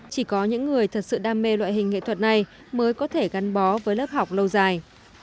chỉ có những người thật sự đam mê loại hình nghệ thuật này mới có thể gắn bó với lớp học lâu dài